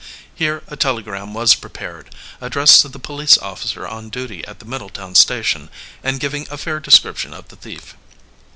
Here a telegram was prepared, addressed to the police officer on duty at the Middletown station, and giving a fair description of the thief.